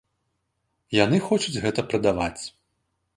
Яны хочуць гэта прадаваць.